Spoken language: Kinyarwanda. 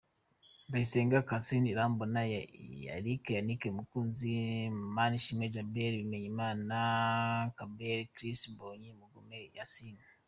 Ndayisenga Kassim Irambona Eric Yannick Mukunzi Manishimwe Djabeli Bimenyimana Caleb Chist Mbondi Mugume Yassin